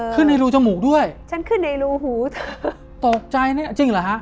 ในรูจมูกด้วยฉันขึ้นในรูหูเธอตกใจเนี่ยจริงเหรอฮะ